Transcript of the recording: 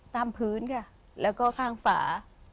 ตามพื้นค่ะแล้วก็ข้างฝา